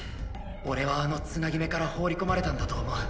おれはあのつなぎ目から放り込まれたんだと思う。